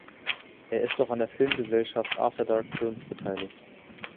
Er ist auch an der Filmgesellschaft „After Dark Films“ beteiligt.